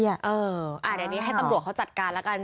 อ่าอันนี้ให้ตำรวจเขาจัดการล่ะกัน